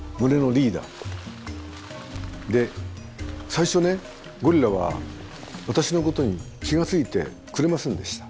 最初ねゴリラは私のことに気が付いてくれませんでした。